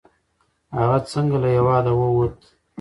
هغه څنګه له هیواده ووت؟